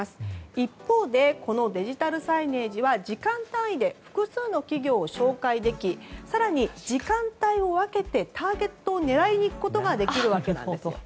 一方でこのデジタルサイネージは時間単位で複数の企業を紹介でき更に、時間帯を分けてターゲットを狙いにいくことができるわけなんです。